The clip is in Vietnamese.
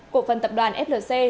cổ phần tập đoàn flc